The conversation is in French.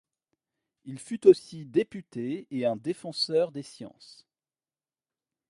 Il fut aussi député et un défenseur des sciences.